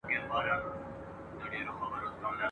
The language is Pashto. باید ټولو نجونو ته د تعلیم اجازه ورکړل سي.